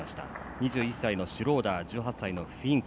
２１歳のシュローダー１８歳のフィンク。